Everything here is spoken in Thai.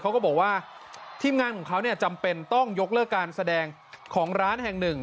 เขาก็บอกว่าทีมงานของเขาเนี่ยจำเป็นต้องยกเลิกการแสดงของร้านแห่งหนึ่ง